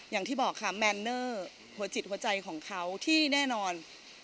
อย่างที่บอกค่ะแมนเนอร์หัวจิตหัวใจของเขาที่แน่นอน